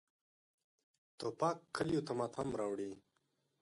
توپک کلیو ته ماتم راوړي.